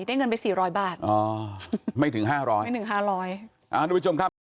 เงินไปสี่ร้อยบาทอ๋อไม่ถึงห้าร้อยไม่ถึงห้าร้อยอ่าทุกผู้ชมครับ